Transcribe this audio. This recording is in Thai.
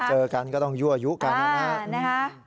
เจอกันก็ต้องยั่วยุกันนะครับ